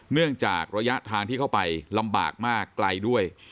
เนื่องจากระยะทางที่เข้าไปลำบากมากไกลด้วย